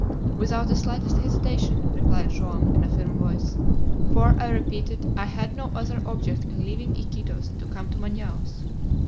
"Without the slightest hesitation," replied Joam, in a firm voice; "for, I repeat it, I had no other object in leaving Iquitos to come to Manaos."